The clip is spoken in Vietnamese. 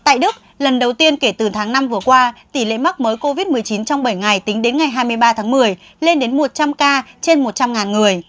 tại đức lần đầu tiên kể từ tháng năm vừa qua tỷ lệ mắc mới covid một mươi chín trong bảy ngày tính đến ngày hai mươi ba tháng một mươi lên đến một trăm linh ca trên một trăm linh người